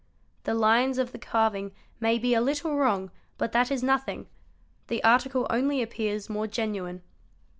The lines of the carving © may be a little wrong but that is nothing: the article only appears more ) genuine.